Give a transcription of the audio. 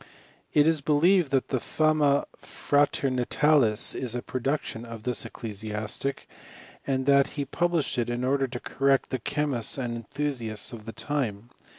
It is believed that the Fama Fratemitatis is a production of this ecclesiastic, and that he published it in order to correct the che mists and enthusiasts of the time.